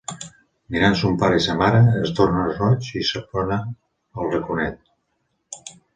Mirant son pare i sa mare, es torna roig i s'apona al raconet.